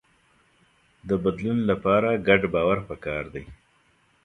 د بدلون لپاره ګډ باور پکار دی.